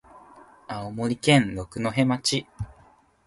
青森県六戸町